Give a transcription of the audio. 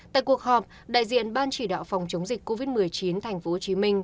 tại cuộc họp đại diện ban chỉ đạo phòng chống dịch covid một mươi chín thành phố hồ chí minh